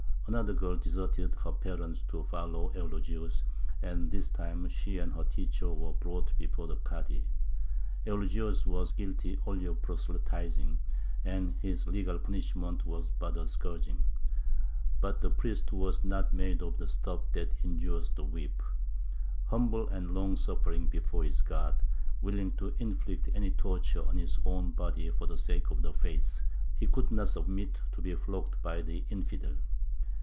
Another girl deserted her parents to follow Eulogius; and this time she and her teacher were brought before the Kādy. Eulogius was guilty only of proselytizing, and his legal punishment was but a scourging. But the priest was not made of the stuff that endures the whip. Humble and long suffering before his God, willing to inflict any torture on his own body for the sake of the faith, he could not submit to be flogged by the infidel.